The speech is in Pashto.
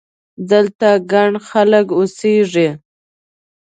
دلته ګڼ خلک اوسېږي!